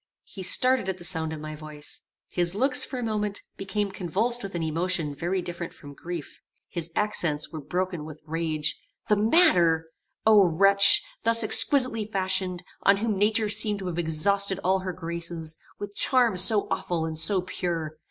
He started at the sound of my voice. His looks, for a moment, became convulsed with an emotion very different from grief. His accents were broken with rage. "The matter O wretch! thus exquisitely fashioned on whom nature seemed to have exhausted all her graces; with charms so awful and so pure!